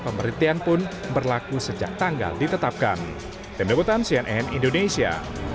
pemberhentian pun berlaku sejak tanggal ditetapkan tim liputan cnn indonesia